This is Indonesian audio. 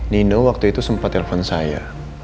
nino waktu itu sempat telepon saya